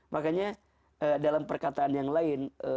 makanya dalam perkataan yang lain